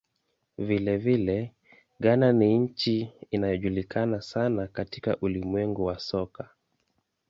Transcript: Vilevile, Ghana ni nchi inayojulikana sana katika ulimwengu wa soka.